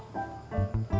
itu memang beneran ya